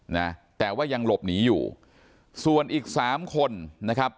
นะแต่ว่ายังหลบหนีอยู่ส่วนอีกสามคนนะครับ